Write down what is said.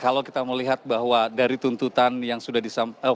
kalau kita melihat bahwa dari tuntutan yang sudah disampaikan